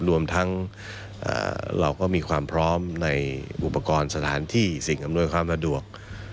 รวมทั้งเราก็มีความพร้อมในอุปกรณ์สถานที่สิ่งอำนวยความสะดวก